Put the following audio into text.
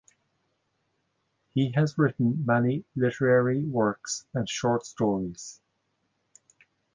He has written many literary works and short stories.